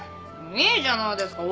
いいじゃないですか！